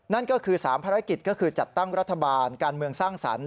นั่นก็คือ๓ภารกิจก็คือจัดตั้งรัฐบาลการเมืองสร้างสรรค